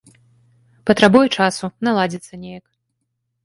Патрабуе часу, наладзіцца неяк.